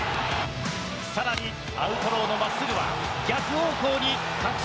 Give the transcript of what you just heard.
更にアウトローの真っすぐは逆方向に確信の一発。